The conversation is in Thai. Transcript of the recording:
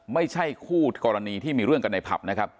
ไม่ใช่คู่กรณีที่มีเรื่องกันในผับนะครับ